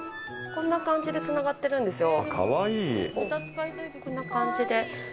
こんな感じでつながってるんですよ。